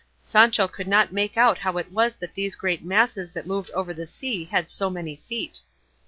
Sancho could not make out how it was that those great masses that moved over the sea had so many feet.